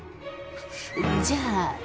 じゃあ？